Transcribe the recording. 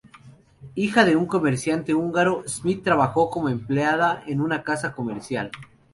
Hija de un comerciante húngaro, Smith trabajó como empleada en una casa comercial.